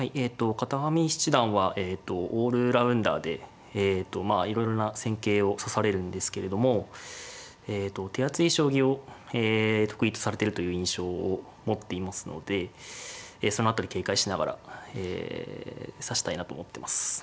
片上七段はオールラウンダーでまあいろいろな戦型を指されるんですけれども手厚い将棋を得意とされてるという印象を持っていますのでその辺り警戒しながら指したいなと思ってます。